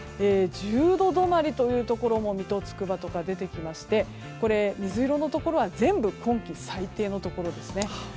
１０度止まりというところも水戸、つくばとか出てきまして水色のところは全部今季最低のところですね。